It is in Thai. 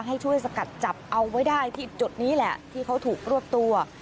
ให้ช่วยสกัดจับเอาไว้ได้ที่จุดนี้แหละที่เขาถูกรวบตัว